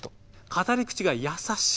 語り口が優しい。